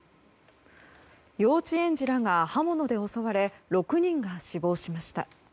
幼稚園児らが刃物で襲われ６人が死亡しました。